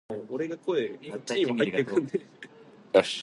あんぱんがたべたい